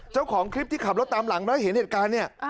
เจ้าของคลิปที่ขับรถตามหลังแล้วเห็นเหตุการณ์เนี่ย